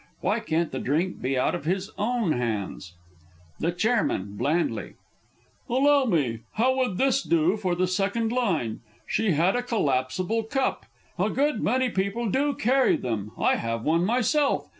Why can't he drink out of his own hands? The Ch. (blandly). Allow me. How would this do for the second line? "She had a collapsible cup." A good many people do carry them. I have one myself.